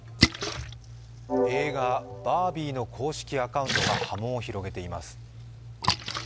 映画「バービー」の公式アカウントが波紋を広げています。